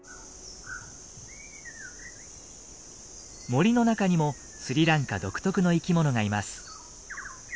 森の中にもスリランカ独特の生きものがいます。